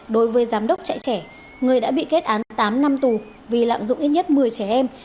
đối với giám đốc chạy trẻ người đã bị kết án tám năm tù vì lạm dụng ít nhất một mươi trẻ em